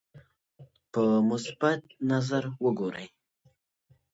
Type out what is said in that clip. په مثبت نظر وګوري.